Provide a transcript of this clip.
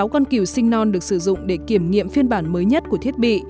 sáu con kiều sinh non được sử dụng để kiểm nghiệm phiên bản mới nhất của thiết bị